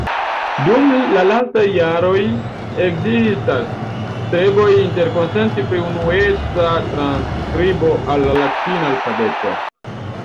Dum la lastaj jardekoj ekzistas streboj interkonsenti pri unueca transskribo al la latina alfabeto.